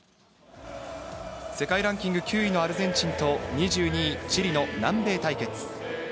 世界ランキング９位のアルゼンチンと２２位チリの南米対決。